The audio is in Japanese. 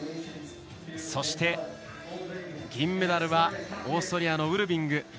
そして、銀メダルはオーストリアのウルビング。